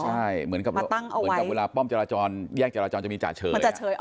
ใช่เหมือนกับเวลาป้อมจราจรแยกจราจรจะมีจ่าเฉย